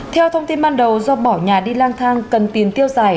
theo thông tin ban đầu do bỏ nhà đi lang thang cần tiền tiêu xài